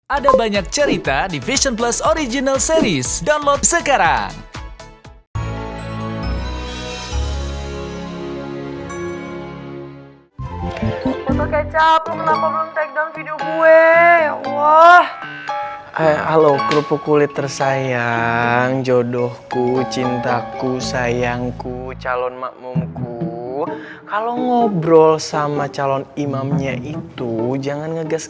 ada banyak cerita di vision plus original series download sekarang